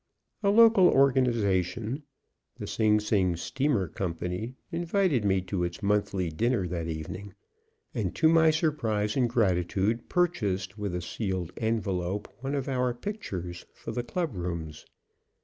A local organization, the Sing Sing Steamer Company, invited me to its monthly dinner that evening, and, to my surprise and gratitude, purchased with a sealed envelope one of "our" pictures for the club rooms.